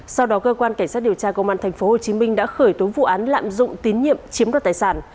sau đó cơ quan cảnh sát điều tra công an tp hcm đã khởi tố vụ án lạm dụng tín nhiệm chiếm đoạt tài sản